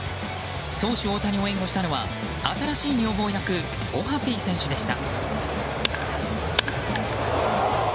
投手・大谷を援護したのは新しい女房役オハピー選手でした。